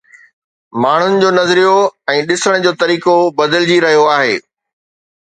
ماڻهن جو نظريو ۽ ڏسڻ جو طريقو بدلجي رهيو آهي